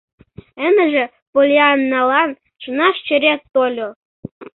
Ындыже Поллианналан шонаш черет тольо.